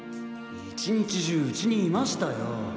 一日中うちにいましたよ。